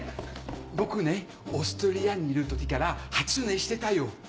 ・僕ねオーストリアにいる時から初音知ってたよ！